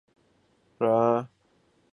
然后逐渐发育成熟。